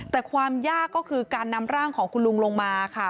แต่ความยากก็คือการนำร่างของคุณลุงลงมาค่ะ